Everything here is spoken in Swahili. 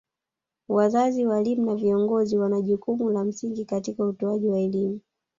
Wazazi walimu na viongozi wana jukumu la msingi katika utoaji wa elimu